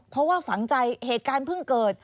เพราะว่าฝังใจเหตุการณ์เพิ่งเกิด